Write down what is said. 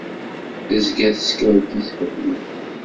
Tezga teskerkis fell-i.